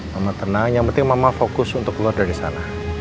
mama tenang yang penting mama fokus untuk keluar dari sana